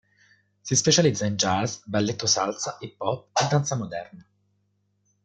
Si specializza in jazz, balletto, salsa, hip-hop e danza moderna.